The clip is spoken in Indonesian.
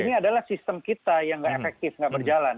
ini adalah sistem kita yang enggak efektif enggak berjalan